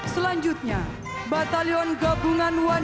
selanjutnya batalion gabungan kodam jaya